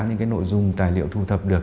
những cái nội dung tài liệu thu thập được